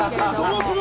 どうする？